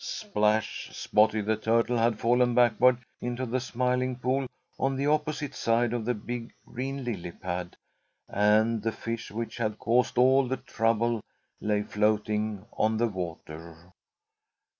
Splash! Spotty the Turtle had fallen backward into the Smiling Pool on the opposite side of the big green lily pad. And the fish which had caused all the trouble lay floating on the water.